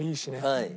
はい。